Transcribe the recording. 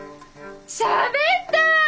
しゃべった！